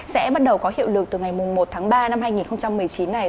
sẽ bắt đầu có hiệu lực từ ngày một ba hai nghìn một mươi chín này